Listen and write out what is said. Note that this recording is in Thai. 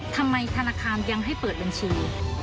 ธนาคารยังให้เปิดบัญชี